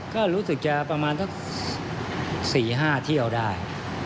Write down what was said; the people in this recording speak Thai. ก็รู้สึกจะประมาณเท่า๔๕ที่เอาได้